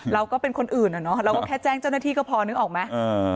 เราก็เป็นคนอื่นอะเนาะเราก็แค่แจ้งเจ้าหน้าที่ก็พอนึกออกไหม